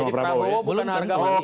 jadi prabowo bukan harga mati